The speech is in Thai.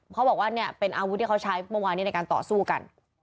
เขาบอกว่าเนี่ยเป็นอาวุธที่เขาใช้เมื่อวานนี้ในการต่อสู้กัน